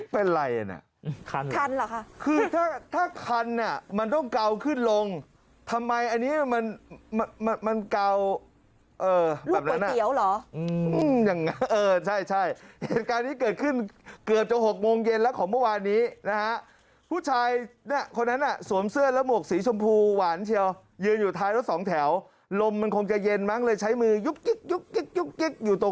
เป็นไรน่ะคันคันเหรอคะคือถ้าถ้าคันอ่ะมันต้องเกาขึ้นลงทำไมอันนี้มันมันเกาลูกก๋วยเตี๋ยวเหรออย่างนั้นเออใช่ใช่เหตุการณ์นี้เกิดขึ้นเกือบจะ๖โมงเย็นแล้วของเมื่อวานนี้นะฮะผู้ชายเนี่ยคนนั้นน่ะสวมเสื้อแล้วหมวกสีชมพูหวานเชียวยืนอยู่ท้ายรถสองแถวลมมันคงจะเย็นมั้งเลยใช้มือยุบกิ๊กอยู่ตรง